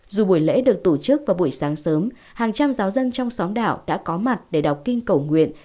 dù buổi lễ được tổ chức vào buổi sáng sớm hàng trăm giáo dân trong xóm đảo đã có mặt để đọc kinh cầu nguyện